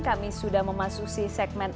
kami sudah memasuki segmen